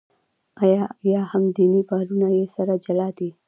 یا هم دیني باورونه یې سره جلا دي.